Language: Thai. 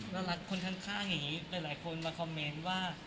น่ารักคนข้างเป็นหลายคนว่า